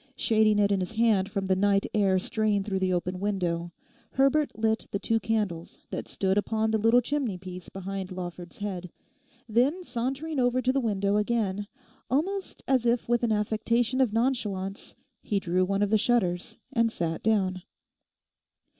Shading it in his hand from the night air straying through the open window, Herbert lit the two candles that stood upon the little chimneypiece behind Lawford's head. Then sauntering over to the window again, almost as if with an affectation of nonchalance, he drew one of the shutters, and sat down.